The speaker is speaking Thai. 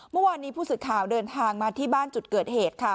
เมื่อวานนี้ผู้สื่อข่าวเดินทางมาที่บ้านจุดเกิดเหตุค่ะ